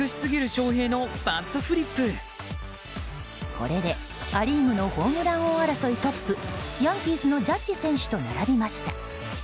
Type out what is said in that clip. これでア・リーグのホームラン争いトップヤンキースのジャッジ選手と並びました。